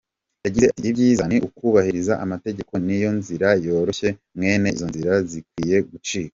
Yagize ati “Ibyiza ni ukubahiriza amategeko niyo nzira yoroshye mwene izo nzira zikwiye gucika.